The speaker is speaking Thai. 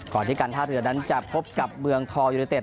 ก่อนที่การท่าเรือนั้นจะพบกับเมืองทองยูเนเต็